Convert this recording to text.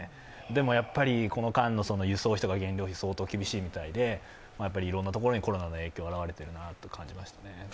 でもやっぱりこの間の輸送費とか原材料費、相当厳しいみたいでいろんなところにコロナの影響が現れているなと思います。